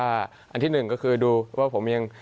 อันที่หนึ่งก็คือดูว่าผมยัง